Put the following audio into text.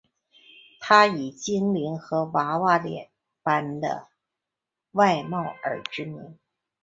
她以精灵和娃娃脸般的外貌而知名。